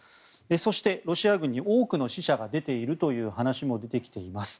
そしてロシア軍に多くの死者が出ているという話も出てきています。